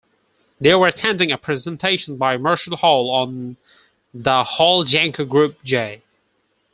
They were attending a presentation by Marshall Hall on the Hall-Janko group J.